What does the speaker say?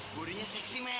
bodinya seksi men